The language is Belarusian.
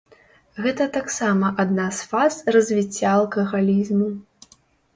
Гэта таксама адна з фаз развіцця алкагалізму.